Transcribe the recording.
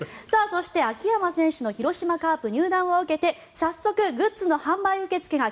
そして、秋山選手の広島カープ入団を受けて早速グッズの販売受け付けが